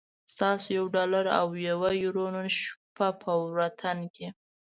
ستاسو یو ډالر او یوه یورو نن شپه په وطن کی